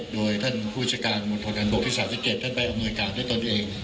โดยท่านผู้จัดการมณฑนฐานบกที่๓๗ท่านไปอำนวยการด้วยตนเอง